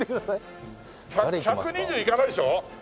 １２０いかないでしょ？